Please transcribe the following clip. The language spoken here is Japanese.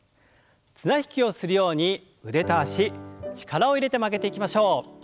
綱引きをするように腕と脚力を入れて曲げていきましょう。